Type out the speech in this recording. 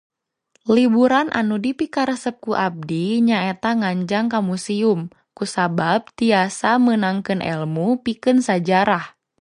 Liburan anu dipikaresep ku abdi nyaeta nganjang ka museum kusabab tiasa meunangkeun elmu pikeun sajarah